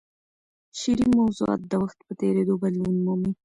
شعري موضوعات د وخت په تېرېدو بدلون مومي.